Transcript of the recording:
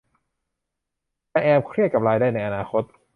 จะแอบเครียดกับรายได้ในอนาคต